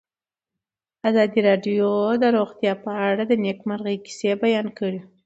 ازادي راډیو د روغتیا په اړه د نېکمرغۍ کیسې بیان کړې.